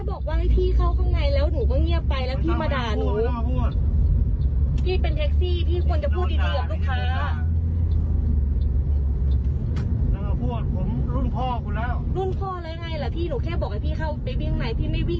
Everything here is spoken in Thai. โอ้โหกำลังจะเข้าอยู่เนี่ย